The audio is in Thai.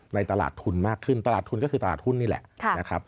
ตลาดทุนมากขึ้นตลาดทุนก็คือตลาดหุ้นนี่แหละนะครับ